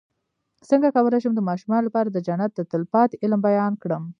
څنګه کولی شم د ماشومانو لپاره د جنت د تل پاتې علم بیان کړم